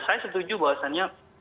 saya setuju bahwasannya